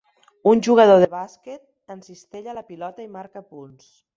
Un jugador de bàsquet encistella la pilota i marca punts.